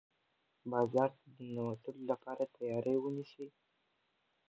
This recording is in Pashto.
بازار ته د ننوتلو لپاره تیاری ونیسه.